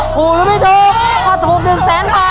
ถูกหรือไม่ถูกถูกถูกถูก